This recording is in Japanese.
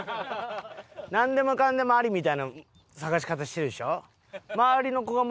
なんでもかんでもありみたいな探し方してるでしょ？